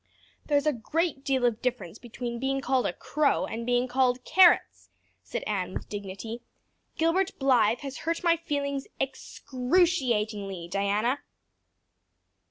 "There's a great deal of difference between being called a crow and being called carrots," said Anne with dignity. "Gilbert Blythe has hurt my feelings excruciatingly, Diana."